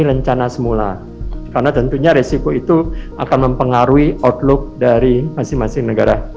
rencana semula karena tentunya resiko itu akan mempengaruhi outlook dari masing masing negara